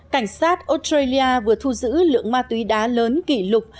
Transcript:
cảnh sát australia vừa thu giữ lượng ma túy đá lớn kỷ lục